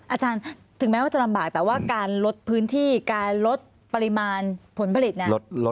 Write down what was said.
อาจารย์ถึงแม้ว่าจะลำบากแต่ว่าการลดพื้นที่การลดปริมาณผลผลิตเนี่ย